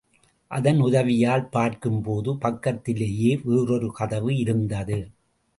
அதன் உதவியால் பார்க்கும்போது பக்கத்திலேயே வேறொரு கதவு இருந்தது.